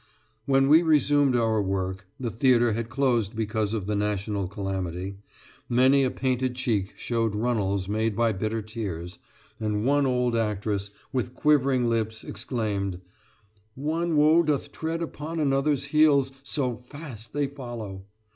When we resumed our work the theatre had closed because of the national calamity many a painted cheek showed runnels made by bitter tears, and one old actress, with quivering lips, exclaimed: "One woe doth tread upon another's heels, so fast they follow!"